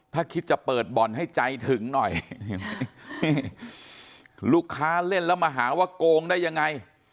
ถ้าคิดจะเปิดบ่อนให้ใจถึงหน่อยลูกค้าเล่นแล้วมาหาว่าโกงได้ยังไง